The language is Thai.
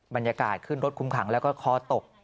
บรรยากาศขึ้นรถคุมขังแล้วก็คอตก